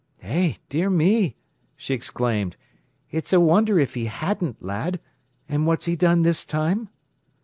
"Eh, dear me!" she exclaimed. "It's a wonder if he hadn't, lad. And what's he done this time?"